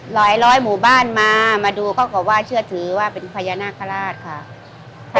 หลอยหมู่บ้านมามาดูก็กลัวว่าเชื่อถือว่าเป็นพญานาคลาดค่ะ